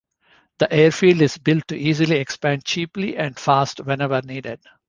The airfield is built to easily expand cheaply and fast whenever needed.